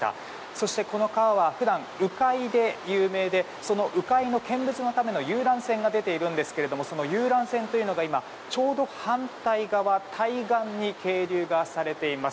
そしてこの川は普段、鵜飼いで有名でその鵜飼いの見物のための遊覧船が出ているんですがその遊覧船というのがちょうど反対側、対岸に係留がされています。